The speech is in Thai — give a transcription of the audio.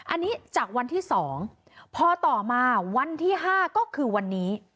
อันนี้จากวันที่๒พอต่อมาวันที่๕ก็คือวันนี้